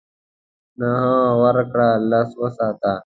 نهه ورکړه لس وساته .